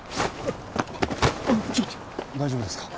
大丈夫ですか？